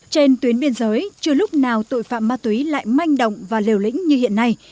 trên tuyến biên giới chưa lúc nào tội phạm ma túy lại manh động và liều lĩnh như hiện nay